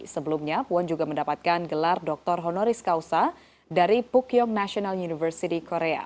sebelumnya puan juga mendapatkan gelar dr honoris causa dari pukyong national university korea